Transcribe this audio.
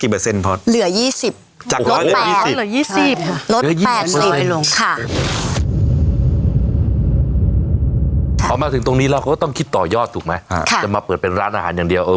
พอมาถึงตรงนี้แล้วเขาก็ต้องคิดต่อยอดถูกไหมจะมาเปิดเป็นร้านอาหารอย่างเดียว